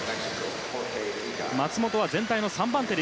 松元は全体の３番手。